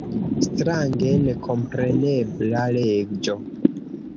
Strange nekomprenebla leĝo!